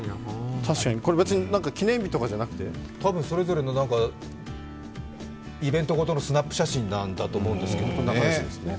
これ別に記念日とかじゃなくて？多分それぞれのイベントごとのスナップ写真だと思うんですけどね。